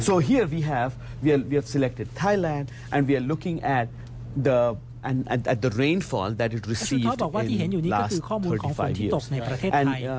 เขาบอกว่าที่เห็นอยู่นี่ก็คือข้อมูลของฝนที่ตกในประเทศไทย